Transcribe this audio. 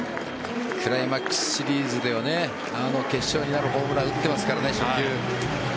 クライマックスシリーズで決勝になるホームランを打ってますからね初球。